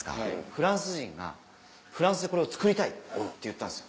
フランス人が「フランスでこれをつくりたい」って言ったんです。